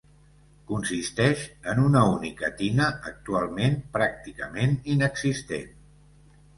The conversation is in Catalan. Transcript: Consisteix en una única tina actualment pràcticament inexistent.